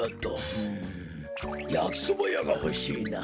やきそばやがほしいな。